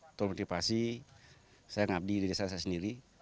untuk motivasi saya ngabdi di desa saya sendiri